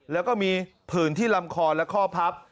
แล้วก็มีผื่นที่ลำคอและข้อพับ